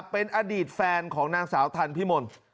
เป็นอดีตแฟนของนางสาวทันพิมล